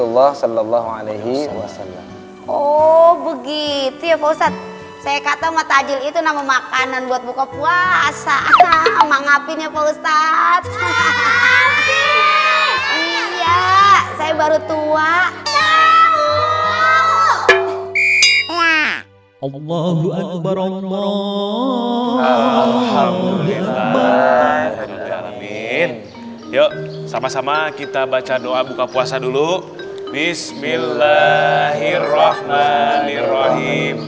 allah allah alhamdulillah yuk sama sama kita baca doa buka puasa dulu bismillahirrohmanirrohim